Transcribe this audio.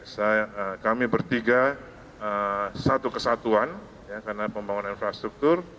saya kami bertiga satu kesatuan karena pembangunan infrastruktur